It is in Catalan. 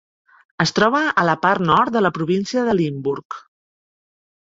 Es troba a la part nord de la província de Limburg.